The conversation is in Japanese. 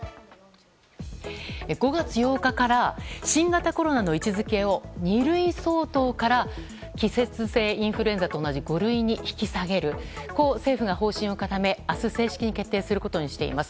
５月８日から新型コロナの位置づけを二類相当から季節性インフルエンザと同じ五類に引き下げると政府が方針を固め明日、正式に決定することにしています。